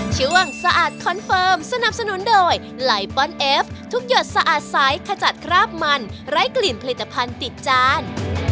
ช่วงสะอาดคอนเฟิร์มสนับสนุนโดยไลปอนเอฟทุกหยดสะอาดใสขจัดคราบมันไร้กลิ่นผลิตภัณฑ์ติดจาน